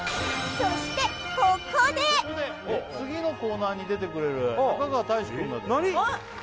そしてここで次のコーナーに出てくれる中川大志くんが何？